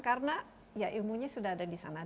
karena ya ilmunya sudah ada di sana